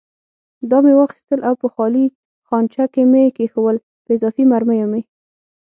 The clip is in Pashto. دا مې واخیستل او په خالي خانچه کې مې کېښوول، په اضافي مرمیو مې.